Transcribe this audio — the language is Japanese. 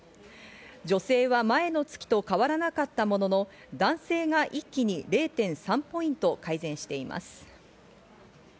女性は前の月と変わらなかったものの男性が一気に０．３ポイント改善しています。